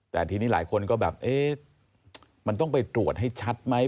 แต่ทีนี้หลายคนก็แบบเอ๊ะมันต้องไปตรวจให้ชัดไหม